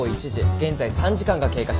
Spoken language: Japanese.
現在３時間が経過しました。